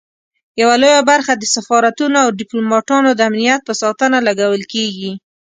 یوه لویه برخه د سفارتونو او ډیپلوماټانو د امنیت په ساتنه لګول کیږي.